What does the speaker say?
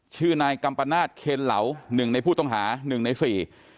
ชื่อนายกัมปนาศเคนเหลาหนึ่งในผู้ต้องหาหนึ่งในสี่